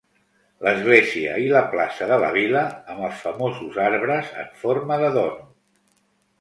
L'església i la plaça de la vila, amb els famosos arbres en forma de dònut.